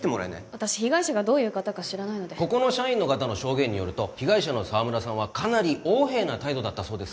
私被害者がどういう方か知らないのでここの社員の方の証言によると被害者の沢村さんはかなり横柄な態度だったそうです